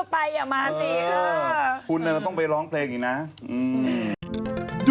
แฟนพี่ของไปอย่ามาซิ